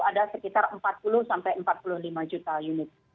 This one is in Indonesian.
ada sekitar empat puluh sampai empat puluh lima juta unit